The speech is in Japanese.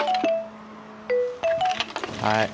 はい。